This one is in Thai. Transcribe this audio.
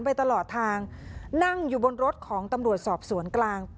ไปตลอดทางนั่งอยู่บนรถของตำรวจสอบสวนกลาง